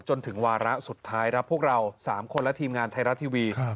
จนถึงวาระสุดท้ายครับพวกเรา๓คนและทีมงานไทยรัฐทีวี